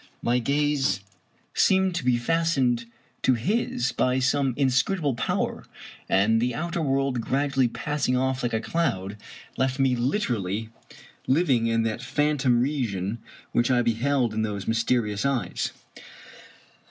My gaze seemed to be fastened to his by some in scrutable power; and the outer world, gradually passing off like a cloud, left me literally living in that phantom region which I beheld in those mysterious eyes.